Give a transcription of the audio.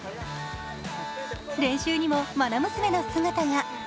練習にも、まな娘の姿が。